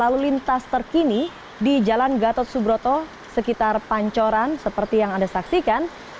lalu lintas terkini di jalan gatot subroto sekitar pancoran seperti yang anda saksikan